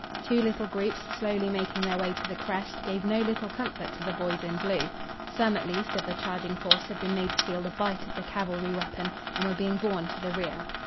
Two little groups slowly making their way to the crest gave no little comfort to the boys in blue. Some, at least, of the charging force had been made to feel the bite of the cavalry weapon, and were being borne to the rear.